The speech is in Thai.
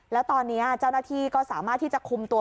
แล้วตอนนี้เจ้าหน้าที่ก็สามารถที่จะคุมตัว